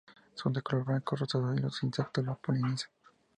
Son de color blanco o rosado y los insectos la polinizan.